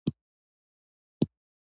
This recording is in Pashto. انلاین کارونه د ځوانانو لپاره ښه دي